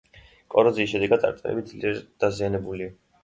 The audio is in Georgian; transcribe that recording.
კოროზიის შედეგად წარწერები ძლიერ დაზიანებულია.